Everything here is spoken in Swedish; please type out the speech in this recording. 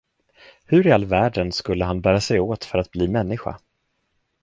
Hur i all världen skulle han bära sig åt för att bli människa?